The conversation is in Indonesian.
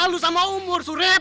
malu sama umur surep